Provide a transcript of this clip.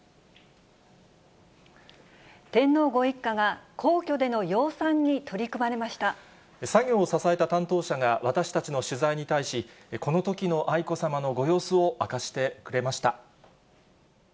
天皇ご一家が、皇居での養蚕作業を支えた担当者が、私たちの取材に対し、このときの愛子さまのご様子を明かしてくれました。